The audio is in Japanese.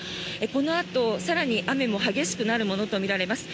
このあと更に、雨も激しくなるものとみられます。